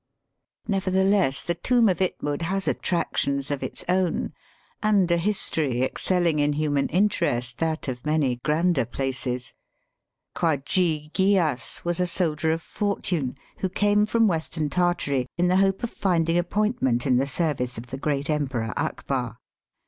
Never theless the tomb of Itmud has attractions of its own, and a history excelling in human interest that of many grander places. Kwajee Aeeas was a soldier of fortune who came from Western Tartary in the hope of finding ap pointment in the service of the great Emperor Akbar.